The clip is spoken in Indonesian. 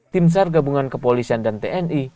tim sar gabungan kepolisian dan tni